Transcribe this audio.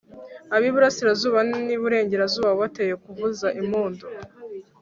ab'iburasirazuba n'iburengerazuba wabateye kuvuza impundu